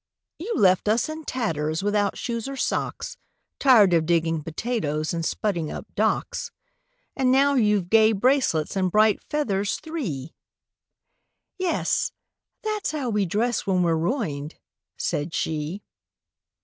—"You left us in tatters, without shoes or socks, Tired of digging potatoes, and spudding up docks; And now you've gay bracelets and bright feathers three!"— "Yes: that's how we dress when we're ruined," said she.